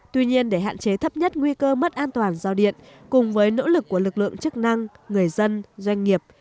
tuy nhiên để hạn chế thấp nhất nguy cơ mất an toàn giao điện cùng với nỗ lực của lực lượng chức năng người dân doanh nghiệp